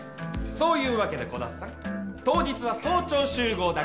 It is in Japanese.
そういうわけで鼓田さん当日は早朝集合だから。